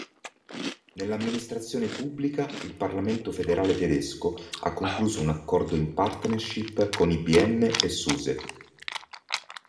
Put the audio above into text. Nell'Amministrazione Pubblica il Parlamento Federale Tedesco ha concluso un accordo in partnership con IBM e SuSe.